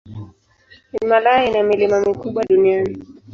Himalaya ina milima mikubwa duniani.